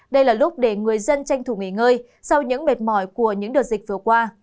đây là lúc để người dân tranh thủ nghỉ ngơi sau những mệt mỏi của những đợt dịch vừa qua